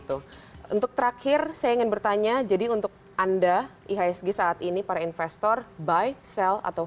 untuk terakhir saya ingin bertanya jadi untuk anda ihsg saat ini para investor by sale atau